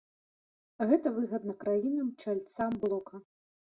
Гэта выгадна краінам-чальцам блока.